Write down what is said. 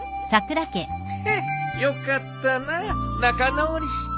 ヘッよかったな仲直りして。